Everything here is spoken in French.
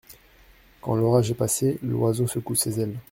Quand l'orage est passé, l'oiseau secoue ses ailes.